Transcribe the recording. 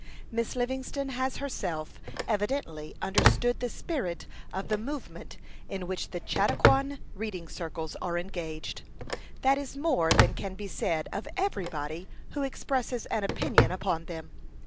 Miss Livingston has herself evidently understood the spirit of the movement in which the Chautauquan read ing circles are engaged. That is more than can be said of everybody who expresses an opinion upon them.